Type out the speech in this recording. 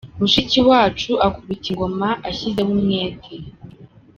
Mushiki wacu akubita ingoma ashyizeho umwete.